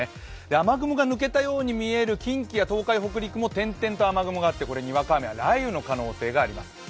雨雲が抜けたように見える近畿や東海や北陸も点々と雨雲があってにわか雨があります。